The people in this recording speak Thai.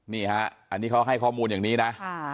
นี่ฮะอันนี้เขาให้ข้อมูลอย่างนี้นะ